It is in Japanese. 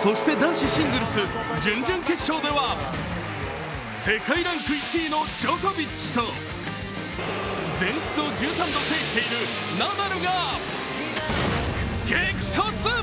そして男子シングルス準々決勝では世界ランク１位のジョコビッチと全仏を１３度制しているナダルが激突！